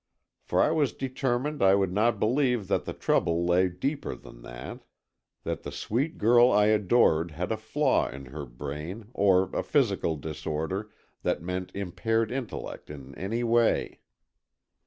For I was determined I would not believe that the trouble lay deeper than that. That the sweet girl I adored had a flaw in her brain or a physical disorder that meant impaired intellect in any way!